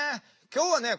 今日はね